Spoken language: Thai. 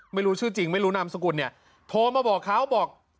ไม่รู้ชื่อจริงไม่รู้นามสกุลเนี่ยโทรมาบอกเขาบอก